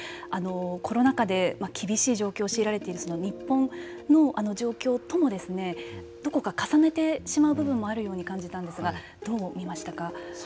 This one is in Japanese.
コロナ禍で厳しい状況を強いられている日本の状況ともどこか重ねてしまう部分もあるように感じたんですがどう見ましたか。